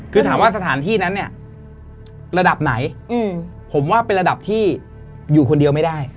คือถามว่าสถานที่นั้นเนี่ยระดับไหนผมว่าเป็นระดับที่อยู่คนเดียวไม่ได้